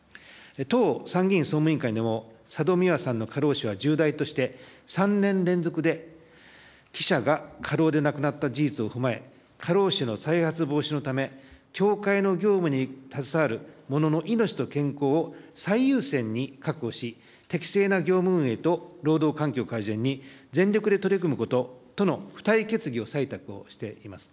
当参議院総務委員会でも、佐戸未和さんの過労死は重大として、３年連続で記者が過労で亡くなった事実を踏まえ、過労死の再発防止のため、協会の業務に携わる者の命と健康を最優先に確保し、適正な業務運営と労働環境改善に全力で取り組むこととの付帯決議を採択をしています。